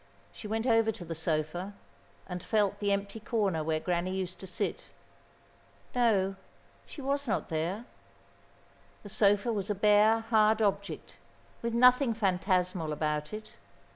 She went over to the sofa and felt the empty corner where Granny used to sit. No, she was not there. The sofa was a bare, hard object, with nothing phantasmal about it.